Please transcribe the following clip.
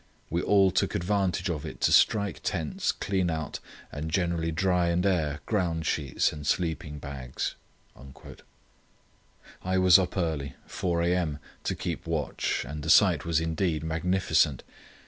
We all took advantage of it to strike tents, clean out, and generally dry and air ground sheets and sleeping bags." I was up early—4 a.m.—to keep watch, and the sight was indeed magnificent.